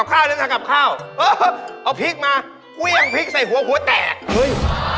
คู่หน้ามอเตอร์ชัย